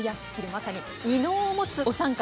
まさに異能を持つお三方。